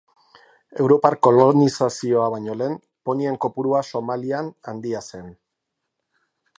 Europar kolonizazioa baino lehen ponien kopurua Somalian handia zen.